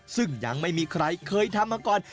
ซึ่งยังไม่มีใครเคยทำมาก่อน